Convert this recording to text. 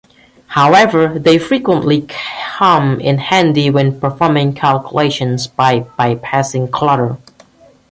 However, they frequently come in handy when performing calculations, by bypassing clutter.